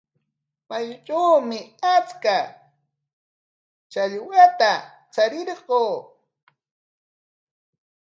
Mayutrawmi achka challwata charirquu.